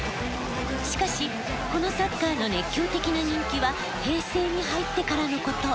しかしこのサッカーの熱狂的な人気は平成に入ってからのこと。